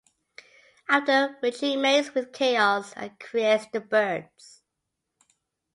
After which he mates with Chaos and creates the birds.